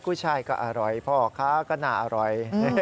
ช่ายก็อร่อยพ่อค้าก็น่าอร่อย